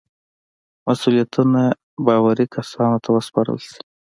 مسئولیتونه باوري کسانو ته وسپارل شي.